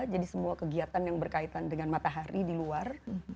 jadi semua kegiatan yang berkaitan dengan matahari di luar